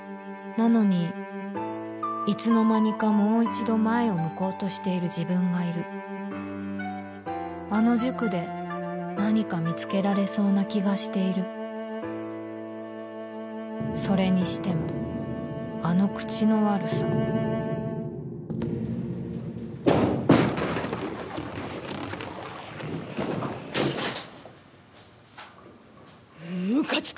なのにいつの間にかもう一度前を向こうとしている自分がいるあの塾で何か見つけられそうな気がしているそれにしてもあの口の悪さムカつく！